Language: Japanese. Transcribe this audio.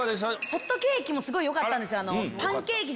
ホットケーキもすごいよかったんですよ。